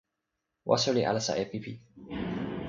waso li alasa e pipi.